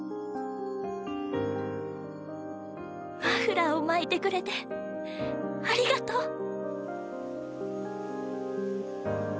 マフラーを巻いてくれてありがとう。